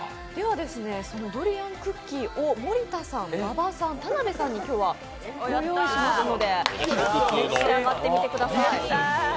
そのドリアンクッキーを森田さん、馬場さん、田辺さんにご用意したので召し上がってみてください。